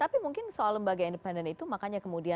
tapi mungkin soal lembaga independen itu makanya kemudian